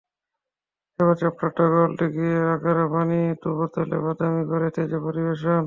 এবার চ্যাপটা গোল টিকিয়ার আকারে বানিয়ে ডুবো তেলে বাদামি করে ভেজে পরিবেশন।